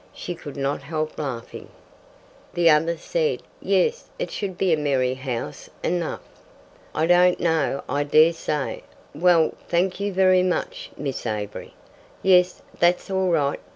She could not help laughing. The other said: "Yes, it should be a merry house enough." "I don't know I dare say. Well, thank you very much, Miss Avery. Yes, that's all right.